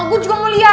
oh gua juga mau liat